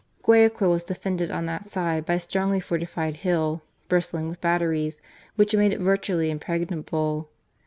Guayaquil was defended on that side by a strongly fortified hill, bristling with batteries, which made it virtually impregnable.